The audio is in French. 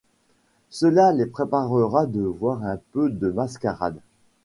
Cela les préparera de voir un peu de mascarade.